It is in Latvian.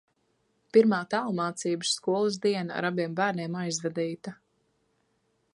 Pirmā tālmācības skolas diena ar abiem bērniem aizvadīta.